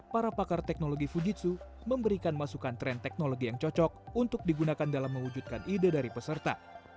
para pakar teknologi fujitsu memberikan masukan tren teknologi yang cocok untuk digunakan dalam mewujudkan ide dari peserta